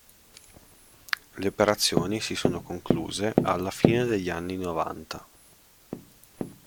Le operazioni si sono concluse alla fine degli anni novanta.